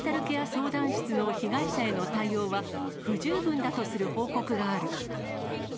相談室の被害者への対応は、不十分だとする報告がある。